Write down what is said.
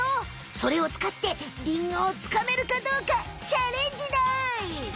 それをつかってリンゴをつかめるかどうかチャレンジだい！